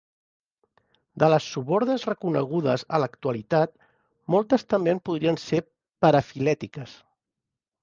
De les subordes reconegudes a l"actualitat, moltes també en podrien ser parafilètiques.